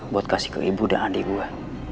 buat kasih ke ibu dan adik gue